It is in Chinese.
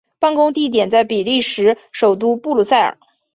办公地点在比利时首都布鲁塞尔。